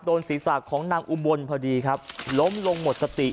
โดนศีรษะของนางอุบลพอดีครับล้มลงหมดสติ